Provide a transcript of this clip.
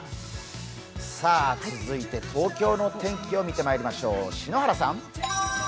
続いて東京の天気を見てまいりましょう。